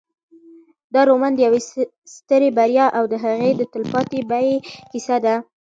دا رومان د یوې سترې بریا او د هغې د تلپاتې بیې کیسه ده.